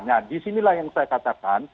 nah disinilah yang saya katakan